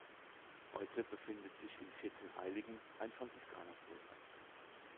Heute befindet sich in Vierzehnheiligen ein Franziskanerkloster.